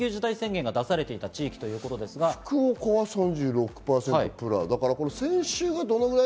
いずれも緊急事態宣言が出されていた地域ということですが、福岡は３６％でプラス。